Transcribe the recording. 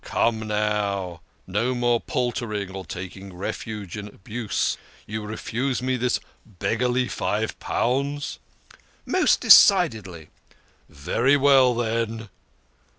Come, now ! No more paltering or taking refuge in abuse. You refuse me this beggarly five pounds? "" Most decidedly." " Very well, then